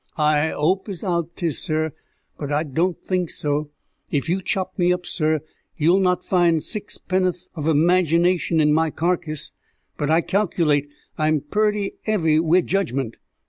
"I hope as 'ow 'tis, sur; but I don't think so. If you chop me up, sur, you'll not find sixpenno'th of imagination in my carcase, but I calcalate I'm purty 'eavy wi' judgment.